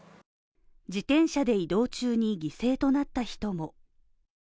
自転車で移動中に犠牲となった人も。